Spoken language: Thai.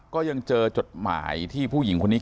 ก็ยังเจอจดหมายที่ผู้หญิงคนนี้